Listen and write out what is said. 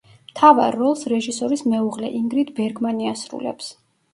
მთავარ როლს რეჟისორის მეუღლე, ინგრიდ ბერგმანი ასრულებს.